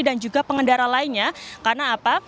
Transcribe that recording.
dan juga pengendara lainnya karena apa